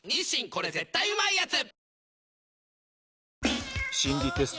これ絶対うまいやつ」